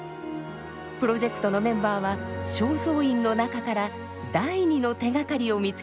プロジェクトのメンバーは正倉院の中から第２の手がかりを見つけ出しました。